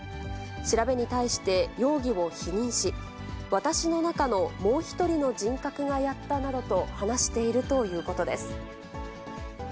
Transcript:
調べに対して容疑を否認し、私の中のもう１人の人格がやったなどと話しているということです。